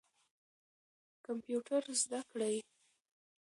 کمپیوټر زده کړئ.